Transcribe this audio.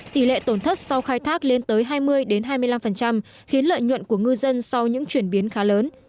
tỷ lệ tổn thất sau khai thác lên tới hai mươi hai mươi năm khiến lợi nhuận của ngư dân sau những chuyển biến khá lớn